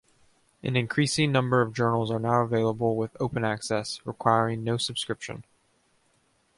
An increasing number of journals are now available with open access, requiring no subscription.